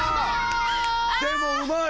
でもうまい！